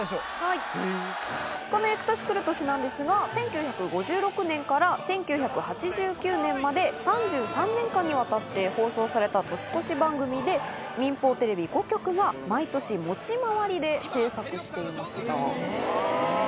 この『ゆく年くる年』なんですが１９５６年から１９８９年まで３３年間にわたって放送された年越し番組で民放テレビ５局が毎年持ち回りで制作していました。